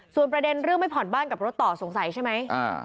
ส่วนประเด็นเรื่องไม่ผ่อนบ้านกับรถต่อสงสัยใช่ไหม